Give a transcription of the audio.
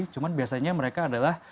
cuma biasanya mereka adalah